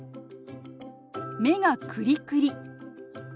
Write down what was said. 「目がクリクリ」。